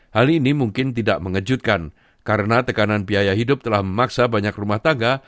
hal ini mungkin tidak mengejutkan karena tekanan biaya hidup telah memaksa banyak rumah tangga